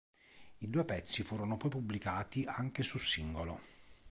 I due pezzi furono poi pubblicati anche su singolo.